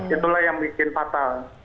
itulah yang bikin fatal